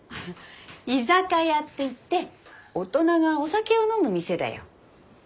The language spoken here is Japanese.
居酒屋っていって大人がお酒を飲む店だよ。